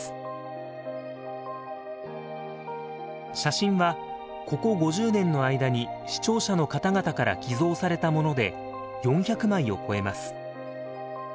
写真はここ５０年の間に視聴者の方々から寄贈されたもので４００枚を超えます。